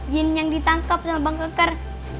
jin yang ditangkap sama bang keker